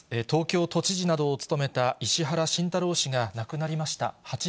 東京都知事などを務めた石原慎太郎氏が亡くなりました。